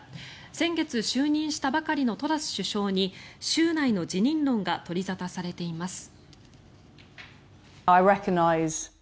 先月就任したばかりのトラス首相に週内の辞任論が取り沙汰されています。